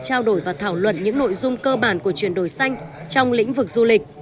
trao đổi và thảo luận những nội dung cơ bản của chuyển đổi xanh trong lĩnh vực du lịch